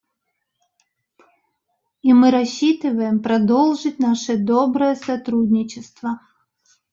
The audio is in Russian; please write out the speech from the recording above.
И мы рассчитываем продолжить наше доброе сотрудничество.